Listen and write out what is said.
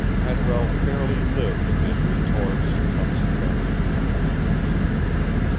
Hadwell fairly lived amid retorts, Bunsen burners, and reagents.